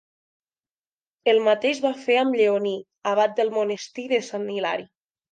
El mateix va fer amb Lleoní, abat del monestir de Sant Hilari.